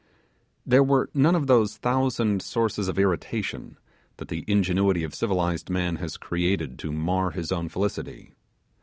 There were none of those thousand sources of irritation that the ingenuity of civilized man has created to mar his own felicity.